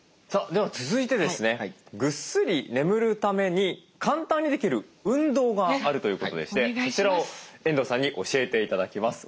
では続いてですねぐっすり眠るために簡単にできる運動があるということでしてそちらを遠藤さんに教えて頂きます。